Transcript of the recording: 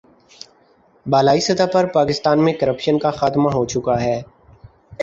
بالائی سطح پر پاکستان میں کرپشن کا خاتمہ ہو چکا ہے۔